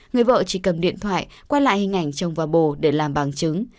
người vợ chỉ cầm điện thoại quay lại hình ảnh chồng và bồ để làm bằng chứng